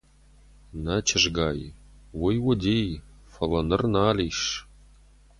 Нӕ, чызгай, уый уыди, фӕлӕ ныр нал ис.